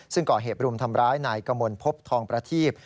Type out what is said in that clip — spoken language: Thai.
ซึ่งก่อเหตุรุมทำร้ายนายกมลพบทองประทีบ